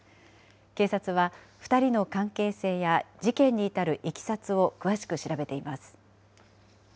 警察は、２人の関係性や事件に至るいきさつを詳しく調べています。